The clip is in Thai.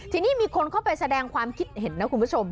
ทีนี้มีคนเข้าไปแสดงความคิดเห็นนะคุณผู้ชม